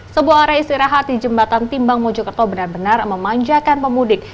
sebuah area istirahat di jembatan timbang mojokerto benar benar memanjakan pemudik